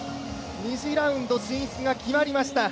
２次ラウンド進出が決まりました。